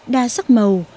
đa sắc màu